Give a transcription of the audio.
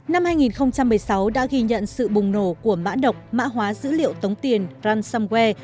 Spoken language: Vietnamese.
năm hai nghìn một mươi sáu đã ghi nhận sự bùng nổ của mã độc mã hóa dữ liệu tống tiền ransomware